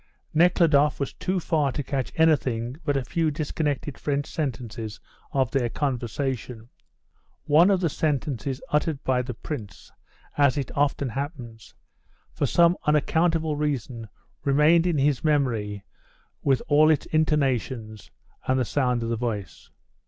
Nekhludoff was too far to catch anything but a few disconnected French sentences of their conversation One of the sentences uttered by the Prince, as it often happens, for some unaccountable reason remained in his memory with all its intonations and the sound of the voice.